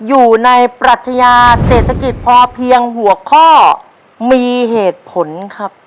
อยู่ในปรัชญาเศรษฐกิจพอเพียงหัวข้อมีเหตุผลครับ